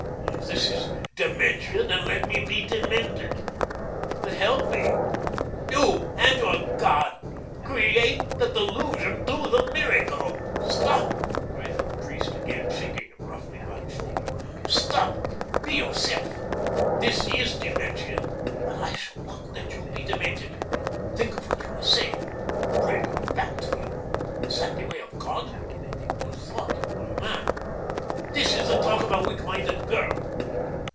If this is dementia, then let me be demented. But help me, you and your God; create the delusion, do the miracle." "Stop!" cried the priest again, shaking him roughly by the shoulder. "Stop. Be yourself. This is dementia; but I shall NOT let you be demented. Think of what you are saying. Bring her back to you! Is that the way of God? I thought you were a man; this is the talk of a weak minded girl."